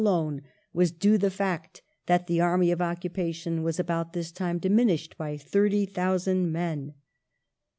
201 alone was due the fact that the Army of Occu pation was about this time diminished by 30,000 men.